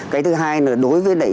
cái thứ hai là đối với